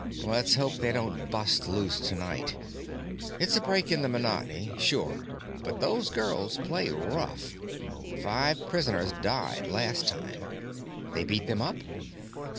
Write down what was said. Let's hope they don't bust loose tonight. It's a break in the monotony, sure—but those girls play rough. Five prisoners died last time." "They beat them up?"